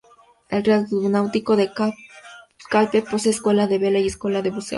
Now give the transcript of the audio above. El Real Club Náutico de Calpe posee Escuela de Vela y Escuela de Buceo.